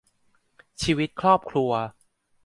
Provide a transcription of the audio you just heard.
ชีวิตครอบครัว